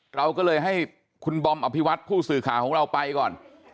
เราก็เลยให้คุณบอมอภิวัตผู้สื่อข่าวของเราไปก่อน